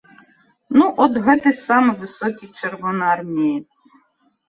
Ну от гэты самы высокі чырвонаармеец.